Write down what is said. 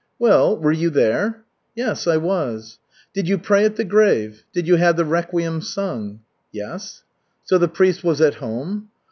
"Well, were you there?" "Yes, I was." "Did you pray at the grave? Did you have the requiem sung?" "Yes." "So the priest was at home?"